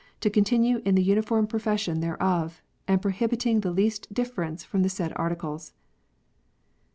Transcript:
to continue in the uniform profession thereof, and prohibiting the least difference from the said Articles."